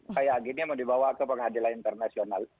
kayak gini mau dibawa ke pengadilan internasional